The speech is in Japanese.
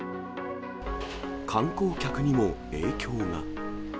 観光客にも影響が。